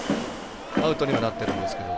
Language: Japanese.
アウトにはなってるんですけど。